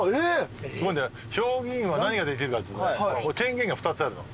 すごいんだよ評議員は何ができるかっつうと権限が２つあるの。